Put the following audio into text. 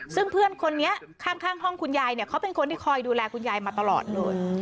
ซึ่งเพื่อนคนนี้ข้างห้องคุณยายเนี่ยเขาเป็นคนที่คอยดูแลคุณยายมาตลอดเลย